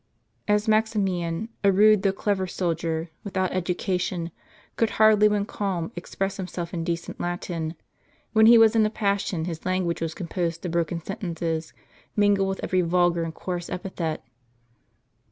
As Maximian, a rude though clever soldier, without educa tion, could hardly when calm express himself in decent Latin, when he was in a passion his language was composed of broken sentences, mingled with every vulgar and coarse epithet.